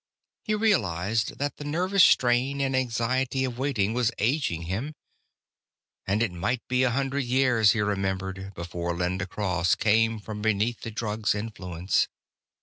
He realized that the nervous strain and anxiety of waiting was aging him. And it might be a hundred years, he remembered, before Linda Cross came from beneath the drug's influence.